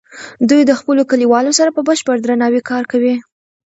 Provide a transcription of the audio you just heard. دوی د خپلو کلیوالو سره په بشپړ درناوي کار کوي.